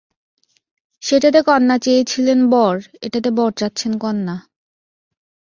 সেটাতে কন্যা চেয়েছিলেন বর, এটাতে বর চাচ্ছেন কন্যা।